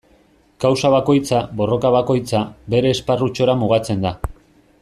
Kausa bakoitza, borroka bakoitza, bere esparrutxora mugatzen da.